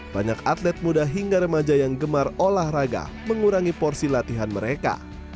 banyak atlet muda hingga remaja yang gemar olahraga mengurangi porsi latihan mereka